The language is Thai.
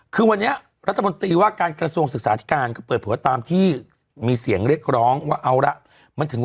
คือวันนี้รัฐบินตรีว่าการกรัศน์สงสัภาษณ์ที่กลาง